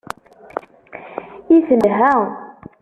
I telha!